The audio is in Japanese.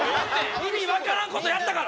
意味分からんことやったから！